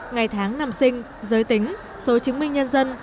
ngày tháng nằm sinh giới tính số chứng minh nhân dân